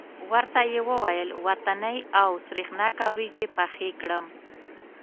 ورته یې وویل وطنۍ او سرېښناکه وریجې پخې کړم.